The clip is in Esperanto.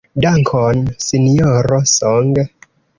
Dankon, Sinjoro Song.